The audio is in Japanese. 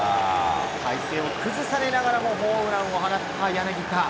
体勢を崩されながらもホームランを放った柳田。